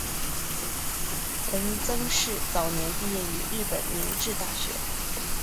陈曾栻早年毕业于日本明治大学。